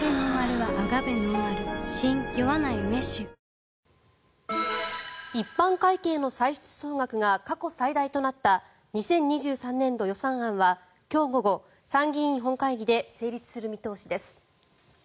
東京海上日動一般会計の歳出総額が過去最大となった２０２３年度予算案は今日午後、参議院本会議で成立する見通しです。